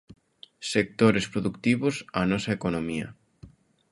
Sectores produtivos, a nosa economía.